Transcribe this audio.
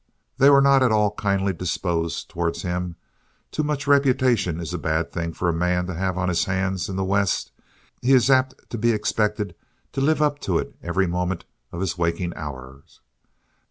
They were not at all kindly disposed towards him. Too much reputation is a bad thing for a man to have on his hands in the West. He is apt to be expected to live up to it every moment of his waking hours.